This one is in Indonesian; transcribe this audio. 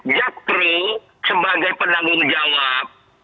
jakpro sebagai pendangung jawab